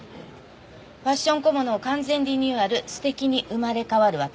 「ファッション小物を完全リニューアル」「素敵に生まれ変わる私」